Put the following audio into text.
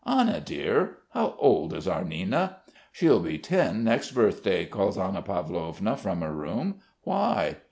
Anna dear, how old is our Nina?" "She'll be ten next birthday," calls Anna Pavlovna from her room. "Why?"